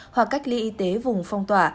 hoặc cách ly y tế vùng phong tỏa